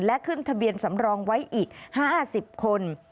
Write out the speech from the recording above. และขึ้นทะเบียนสำรองไว้อีก๕๐คน